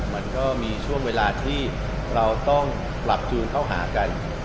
มันก็มีช่วงเวลาที่เราต้องปรับจูนเข้าหากัน